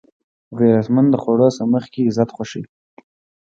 غیرتمند د خوړو نه مخکې عزت خوښوي